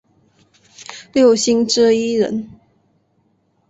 六星之一人。